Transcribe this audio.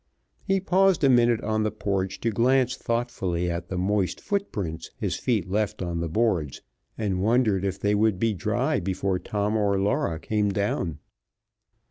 He paused a minute on the porch to glance thoughtfully at the moist foot prints his feet left on the boards, and wondered if they would be dry before Tom or Laura came down.